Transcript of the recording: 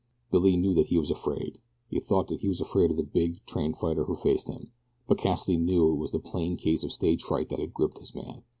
Billy knew that he was afraid he thought that he was afraid of the big, trained fighter who faced him; but Cassidy knew that it was a plain case of stage fright that had gripped his man.